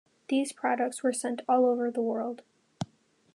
These products were sent all over the world.